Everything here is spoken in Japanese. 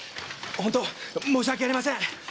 本当申し訳ありません。